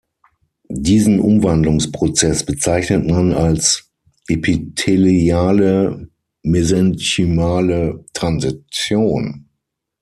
Diesen Umwandlungsprozess bezeichnet man als Epitheliale-Mesenchymale Transition.